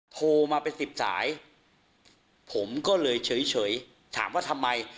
โทรมาเป็นสิบสายผมก็เลยเฉยถามว่าทำไม